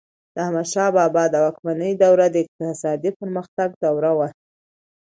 د احمدشاه بابا د واکمنۍ دوره د اقتصادي پرمختګ دوره وه.